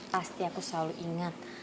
pasti aku selalu ingat